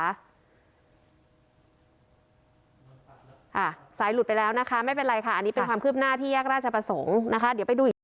อ่าสายหลุดไปแล้วนะคะไม่เป็นไรค่ะอันนี้เป็นความคืบหน้าที่แยกราชประสงค์นะคะเดี๋ยวไปดูอีก